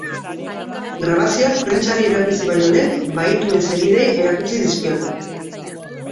Grabazioak prentsari erakutsi baino lehen, bahituen senideei erakutsi dizkiote.